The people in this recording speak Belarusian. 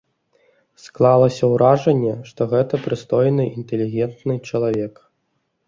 Склалася ўражанне, што гэта прыстойны інтэлігентны чалавек.